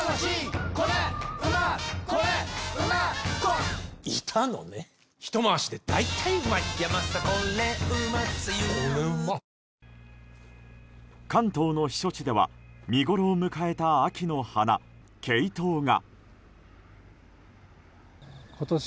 わぁ関東の避暑地では見ごろを迎えた秋の花ケイトウが。